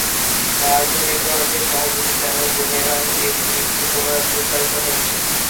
Cartoon নেটওয়ার্কের সহযোগী channel বুমেরাং-এ সিরিজটি পুনরায় প্রচারিত হয়েছে।